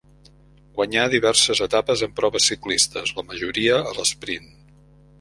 Guanyà diverses etapes en proves ciclistes, la majoria, a l'esprint.